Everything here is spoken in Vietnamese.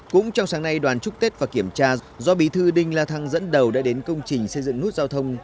cũng trong sáng nay đoàn chúc tết và kiểm tra do bí thư đinh la thăng dẫn đầu đã đến công trình xây dựng nút giao thông